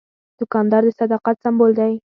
دوکاندار د صداقت سمبول دی.